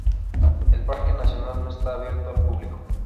El parque nacional no está abierto al público.